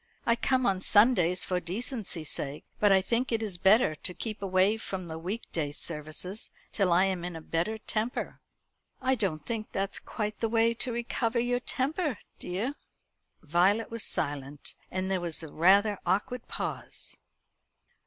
I come on Sundays for decency's sake; but I think it is better to keep away from the week day services till I am in a better temper." "I don't think that's quite the way to recover your temper, dear." Violet was silent, and there was a rather awkward pause.